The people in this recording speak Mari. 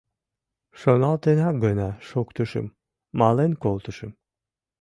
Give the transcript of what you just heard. Шоналтенак гына шуктышым — мален колтышым.